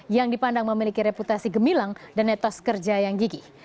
yang dipandang memiliki reputasi gemilang dan netos kerja yang gigi